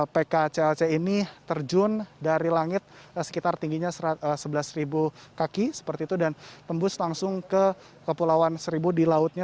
pkclc ini terjun dari langit sekitar tingginya sebelas kaki seperti itu dan tembus langsung ke kepulauan seribu di lautnya